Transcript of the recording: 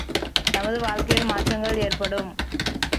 நமது வாழ்க்கையில் மாற்றங்கள் ஏற்படும்!